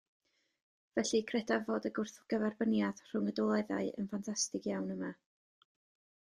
Felly credaf fod y gwrthgyferbyniad rhwng y delweddau yn ffantastig iawn yma.